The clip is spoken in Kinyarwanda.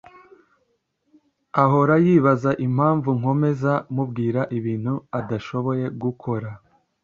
Ahora yibaza impamvu nkomeza mubwira ibintu adashoboye gukora